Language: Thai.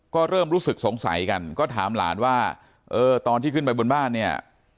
ก็เริ่มรู้สึกสงสัยกันก็ถามหลานว่าเออตอนที่ขึ้นไปบนบ้านเนี่ย